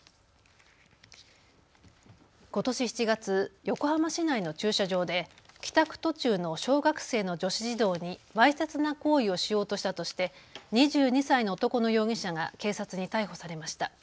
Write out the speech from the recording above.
ことし７月、横浜市内の駐車場で帰宅途中の小学生の女子児童にわいせつな行為をしようとしたとして２２歳の男の容疑者が警察に逮捕されました。